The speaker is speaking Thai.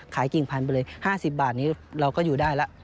กิ่งพันไปเลย๕๐บาทนี้เราก็อยู่ได้แล้ว